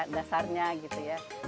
dasarnya gitu ya